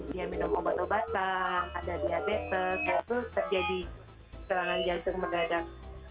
dia minum obat obatan ada diabetes terjadi serangan jantung mendadak